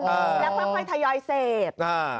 แล้วค่อยทยอยเสพ